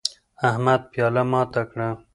احمد پیاله ماته کړه